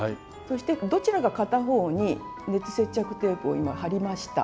そしてどちらか片方に熱接着テープを今貼りました。